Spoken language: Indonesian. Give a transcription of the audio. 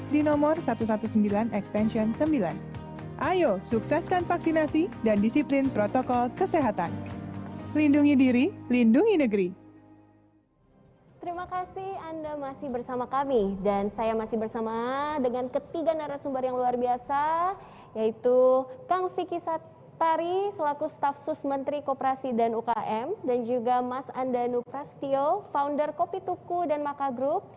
dan juga mas andanu prasetyo founder kopi tuku dan makagroup